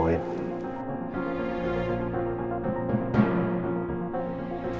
paling tidak elsa udah ditemuin